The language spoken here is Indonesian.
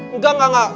enggak enggak enggak